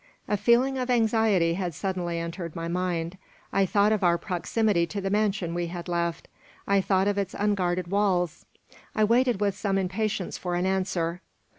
A feeling of anxiety had suddenly entered my mind. I thought of our proximity to the mansion we had left. I thought of its unguarded walls. I waited with some impatience for an answer.